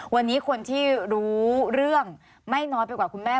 วันนี้คนที่รู้เรื่องไม่น้อยไปกว่าคุณแม่